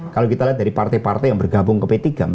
kalau kita lihat dari partai partai yang bergabung ke p tiga